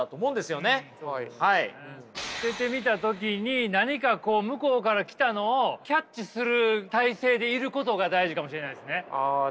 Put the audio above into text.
捨ててみた時に何かこう向こうから来たのをキャッチする体勢でいることが大事かもしれないですね。